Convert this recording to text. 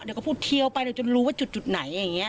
เดี๋ยวก็พูดเทียวไปเดี๋ยวจนรู้ว่าจุดไหนอย่างนี้